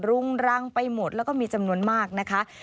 รุงรังไปหมดแล้วก็มีจำนวนมากนะคะ